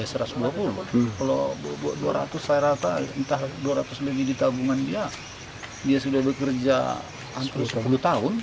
kalau dua ratus saya rata entah dua ratus lebih di tabungan dia dia sudah bekerja hampir sepuluh tahun